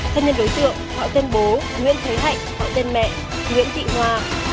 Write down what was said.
thân nhân đối tượng họ tên bố nguyễn thế hải họ tên mẹ nguyễn thị hoa